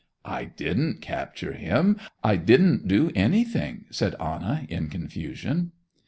'I didn't capture him. I didn't do anything,' said Anna, in confusion.